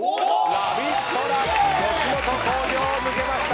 ラビットラ吉本興業抜けました。